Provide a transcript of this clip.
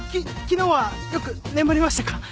昨日はよく眠れましたか？